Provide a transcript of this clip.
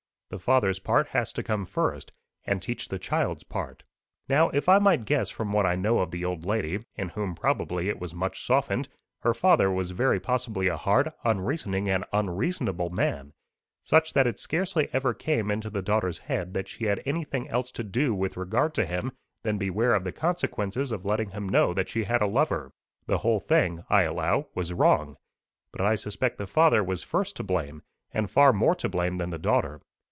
The father's part has to come first, and teach the child's part. Now, if I might guess from what I know of the old lady, in whom probably it was much softened, her father was very possibly a hard, unreasoning, and unreasonable man such that it scarcely ever came into the daughter's head that she had anything else to do with regard to him than beware of the consequences of letting him know that she had a lover. The whole thing, I allow, was wrong; but I suspect the father was first to blame, and far more to blame than the daughter.